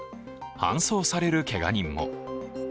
搬送されるけが人も。